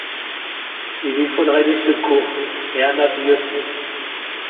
Il lui faudrait des secours, et à ma fille aussi!